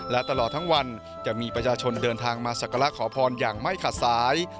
และตลอดทั้งวันจะมีประชาชนเดินทางมาสักการะขอพรอย่างไม่ขาดสาย